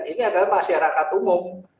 ini adalah masyarakat umum